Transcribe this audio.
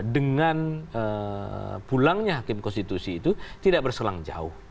dengan pulangnya hakim konstitusi itu tidak berselang jauh